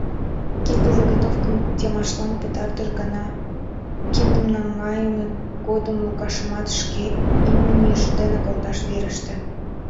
Кинде заготовкым темашлан пытартыш гана киндым наҥгайыме годым Лукашымат шке имньыж дене колташ вереште.